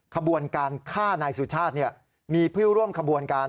ขบวนการฆ่านายสุชาติมีผู้ร่วมขบวนการ